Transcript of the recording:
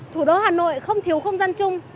thủ đô hà nội không thiếu không gian chung